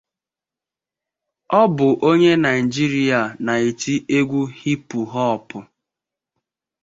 Ọ bụ onye Naịjirịa na-eti egwu hipụ họpụ.